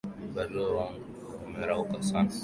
Vibarua wangu wamerauka sana